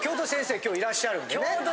今日いらっしゃるんでね。